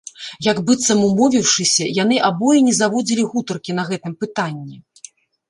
Як быццам умовіўшыся, яны абое не заводзілі гутаркі на гэтым пытанні.